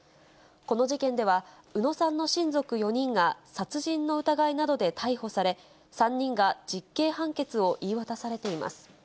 この事件では、宇野さんの親族４人が殺人の疑いなどで逮捕され、３人が実刑判決を言い渡されています。